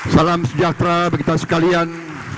salam sejahtera bagi kita sekalian